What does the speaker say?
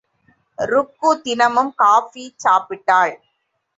ருக்கு தினமும் காபி சாப்பிட்டாள்.